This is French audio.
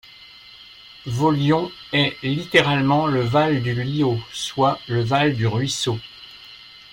Vaulion est littéralement le val du lyaud, soit le val du ruisseau.